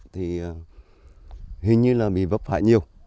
thì hình như là bị vấp hại nhiều